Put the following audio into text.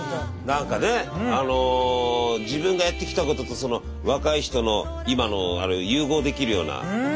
何かねあの自分がやってきたこととその若い人の今のあれを融合できるような。